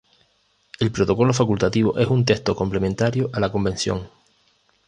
El Protocolo Facultativo es un texto complementario a la Convención.